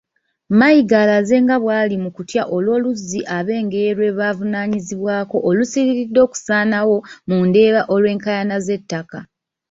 Mayiga yalaze nga bwe bali mu kutya olw’oluzzi ab’Engeye lwe bavunaanyizibwako olusuliridde okusaanawo mu Ndeeba olw’enkayana z’ettaka.